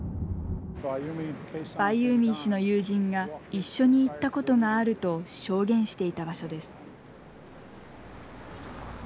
バイユーミー氏の友人が一緒に行ったことがあると証言していた場所です。